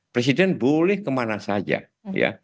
presiden boleh kemana saja ya